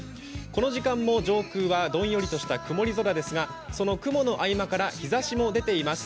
この時間も上空はどんよりとした曇り空ですがその雲の合間から日ざしも出ています。